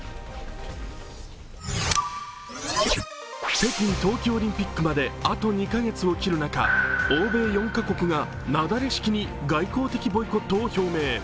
北京冬季オリンピックまであと２カ月を切る中、欧米４カ国が、なだれ式に外交的ボイコットを表明。